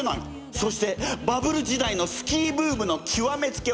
そしてバブル時代のスキーブームのきわめつけはこれ！